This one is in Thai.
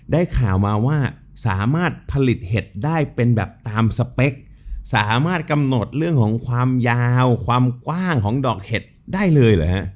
ได้ข่าวมาว่าสามารถผลิตเห็ดได้เป็นแบบตามสเปคสามารถกำหนดเรื่องของความยาวความกว้างของดอกเห็ดได้เลยเหรอฮะ